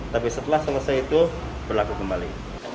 tapi setelah selesai itu berlaku kembali